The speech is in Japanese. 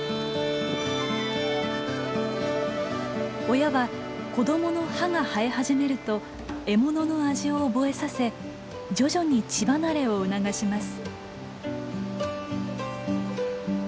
親は子どもの歯が生え始めると獲物の味を覚えさせ徐々に乳離れを促します。